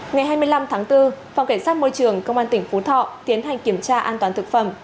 ngày hai mươi năm tháng bốn phòng cảnh sát môi trường công an tỉnh phú thọ tiến hành kiểm tra an toàn thực phẩm